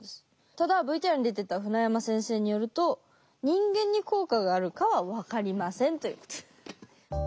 ただＶＴＲに出てた船山先生によると人間に効果があるかは分かりませんということ。